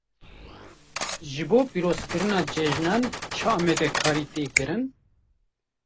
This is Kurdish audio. Ji bo pîrozkirina cejnan çi amadekarî tên kirin?